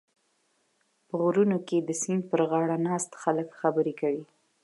په غرونو کې د سیند پرغاړه ناست خلک خبرې کوي.